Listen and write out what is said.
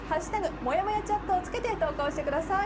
「＃もやもやチャット」をつけて投稿してください。